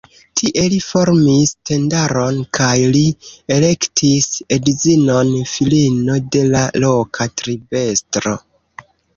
Tie li formis tendaron kaj li elektis edzinon filino de la loka tribestro.